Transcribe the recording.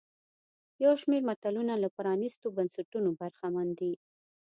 یو شمېر ملتونه له پرانیستو بنسټونو برخمن دي.